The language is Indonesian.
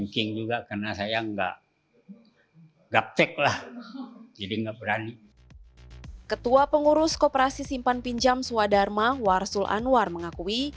ketua pengurus koperasi simpan pinjam suadharma warsul anwar mengakui